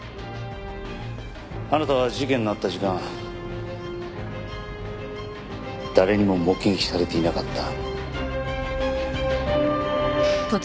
あなたは事件のあった時間誰にも目撃されていなかった。